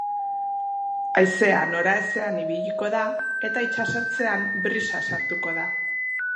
Haizea nora ezean ibiliko da, eta itsasertzean brisa sartuko da.